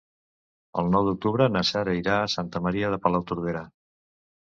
El nou d'octubre na Sara irà a Santa Maria de Palautordera.